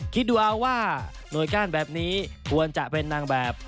คิดดูเอาว่าหน่วยก้านแบบนี้ควรจะเป็นนางแบบ